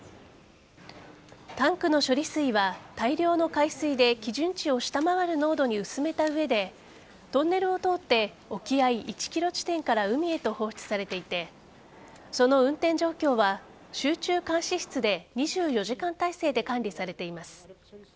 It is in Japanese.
タンクの処理水は大量の海水で基準値を下回る濃度に薄めた上でトンネルを通って沖合１ｋｍ地点から海へと放出されていてその運転状況は集中監視室で２４時間体制で管理されています。